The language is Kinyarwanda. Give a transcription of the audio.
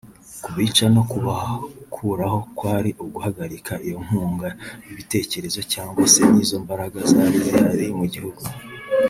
Kubica no kubakuraho kwari uguhagarika iyo nkunga y’ibitekerezo cyangwa se n’izo mbaraga zari zihari mu gihugu